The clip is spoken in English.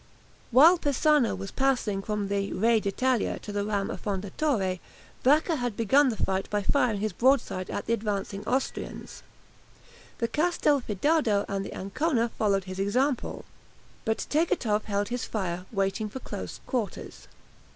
While Persano was passing from the "Re d' Italia" to the ram "Affondatore," Vacca had begun the fight by firing his broadside at the advancing Austrians. The "Castelfidardo" and the "Ancona" followed his example. But Tegethoff held his fire, waiting for close quarters.